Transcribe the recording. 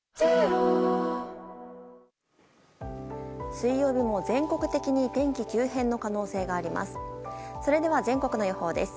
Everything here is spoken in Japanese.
水曜日も全国的に天気急変の可能性があります。